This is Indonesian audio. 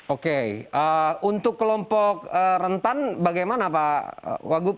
oke untuk kelompok rentan bagaimana pak wagub